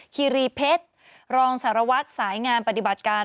คีรีเพชรรองสารวัตรสายงานปฏิบัติการ